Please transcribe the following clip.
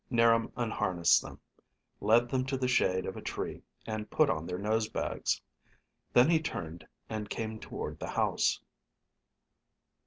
'Niram unharnessed them, led them to the shade of a tree, and put on their nose bags. Then he turned and came toward the house.